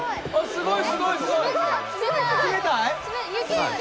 すごい。